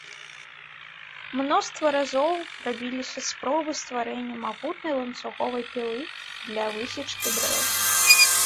Мноства разоў рабіліся спробы стварэння магутнай ланцуговай пілы для высечкі дрэў.